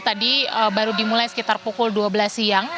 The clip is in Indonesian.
tadi baru dimulai sekitar pukul dua belas siang